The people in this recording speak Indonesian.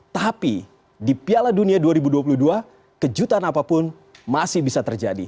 tapi di piala dunia dua ribu dua puluh dua kejutan apapun masih bisa terjadi